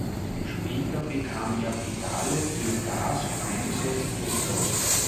Später bekam er Pedale für Gas, Bremse, Kupplung.